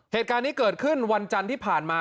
เหตุการณ์นี้เกิดขึ้นวันจันทร์ที่ผ่านมา